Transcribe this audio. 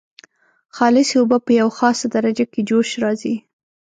خالصې اوبه په یوه خاصه درجه کې جوش راځي.